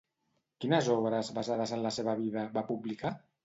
Quines obres, basades en la seva vida, va publicar?